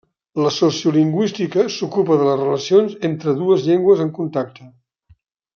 La sociolingüística s'ocupa de les relacions entre dues llengües en contacte.